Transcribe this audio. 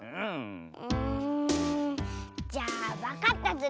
うんじゃあわかったズル。